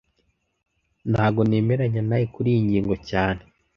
Ntago nemeranya nawe kuriyi ngingo cyane